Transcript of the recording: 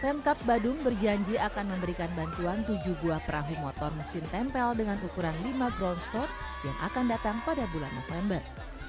pemkap badung berjanji akan memberikan bantuan tujuh buah perahu motor mesin tempel dengan ukuran lima ground store yang akan datang pada bulan november